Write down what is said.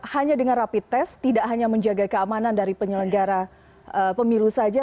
hanya dengan rapid test tidak hanya menjaga keamanan dari penyelenggara pemilu saja